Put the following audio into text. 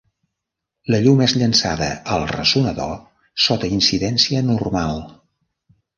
La llum és llençada al ressonador sota incidència normal.